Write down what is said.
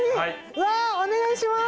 うわぁお願いします。